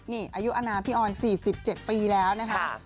นี่อายุอนามพี่ออน๔๗ปีแล้วนะคะ